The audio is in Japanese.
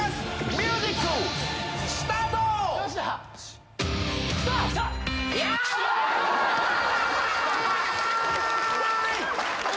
ミュージックスタートヤーイ